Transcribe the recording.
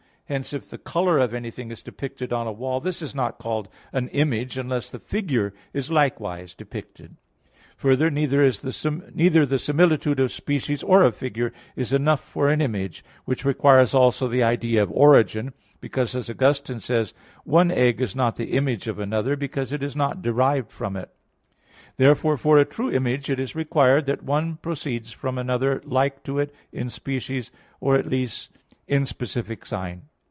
Hence if the color of anything is depicted on a wall, this is not called an image unless the figure is likewise depicted. Further, neither the similitude of species or of figure is enough for an image, which requires also the idea of origin; because, as Augustine says (QQ. lxxxiii, qu. 74): "One egg is not the image of another, because it is not derived from it." Therefore for a true image it is required that one proceeds from another like to it in species, or at least in specific sign.